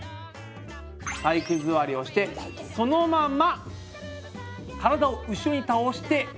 体育座りをしてそのまま体を後ろに倒して起き上がります。